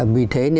vì thế này